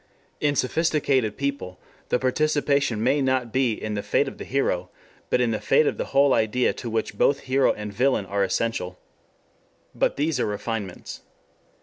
In sophisticated people the participation may not be in the fate of the hero, but in the fate of the whole idea to which both hero and villain are essential. But these are refinements.